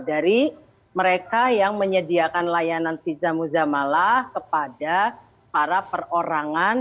dari mereka yang menyediakan layanan visa muzamalah kepada para perorangan